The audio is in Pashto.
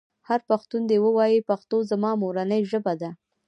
هر پښتون دې ووايي پښتو زما مورنۍ ژبه ده.